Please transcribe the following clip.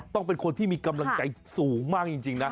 เป็นคนที่มีกำลังใจสูงมากจริงนะ